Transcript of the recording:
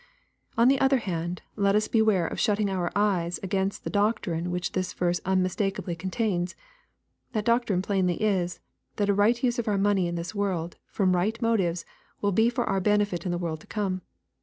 — On the other hand, let us beware of shutting our eyes against the doctrine which the verse unmis takeably contains. That doctrine plainly is, that a right use of our pioney in this world, from right motives, will be for our benefit in the world to come.